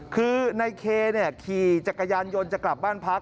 คือในเคขี่จักรยานยนต์จะกลับบ้านพัก